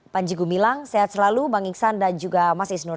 panji gumilang sehat selalu bang iksan dan juga mas isnur